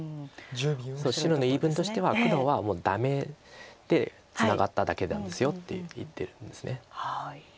白の言い分としては黒はダメでツナがっただけなんですよって言ってるんです。